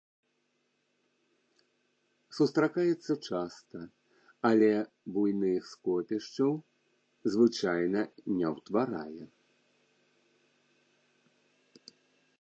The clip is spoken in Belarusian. Сустракаецца часта, але буйных скопішчаў звычайна не ўтварае.